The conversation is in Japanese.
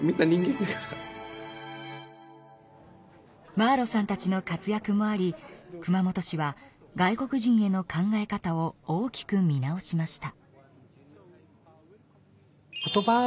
マーロさんたちの活やくもあり熊本市は外国人への考え方を大きく見直しました。